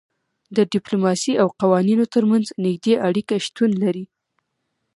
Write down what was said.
د ډیپلوماسي او قوانینو ترمنځ نږدې اړیکه شتون لري